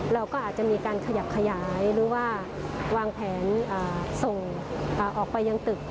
เราก็อาจจะมีการขยับขยายหรือว่าวางแผนส่งออกไปยังตึก